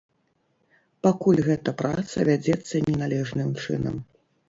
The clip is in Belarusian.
Пакуль гэта праца вядзецца не належным чынам.